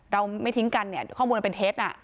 เราไม่ทิ้งกันข้อมูลนั้นเป็นเทส